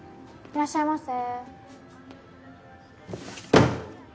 いらっしゃいませ。